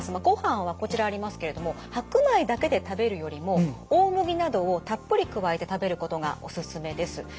ご飯はこちらありますけれども白米だけで食べるよりも大麦などをたっぷり加えて食べることがおすすめです。